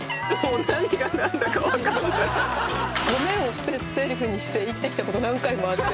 「ごめん」を捨てゼリフにして生きてきた事何回もあって。